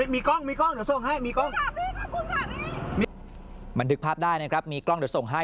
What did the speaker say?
มีกล้องมีกล้องจะส่งให้มีกล้องมันถึงภาพได้นะครับมีกล้องจะส่งให้